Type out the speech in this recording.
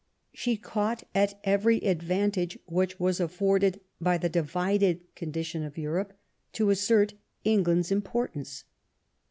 She caught at every advantage which was afforded by the divided condition of Europe to assert England's importance.